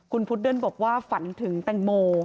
คุณพุดเดิ้ลบอกว่าฝันถึงแตงโม